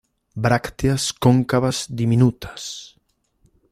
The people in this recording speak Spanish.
Brácteas cóncavas diminutas.